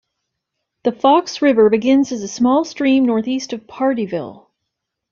The Fox River begins as a small stream northeast of Pardeeville.